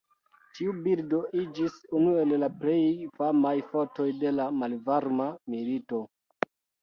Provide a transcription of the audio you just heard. Tiu bildo iĝis unu el la plej famaj fotoj de la malvarma milito.